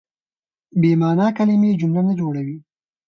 بې مانا کیلمې جمله نه جوړوي.